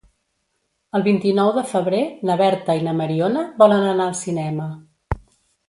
El vint-i-nou de febrer na Berta i na Mariona volen anar al cinema.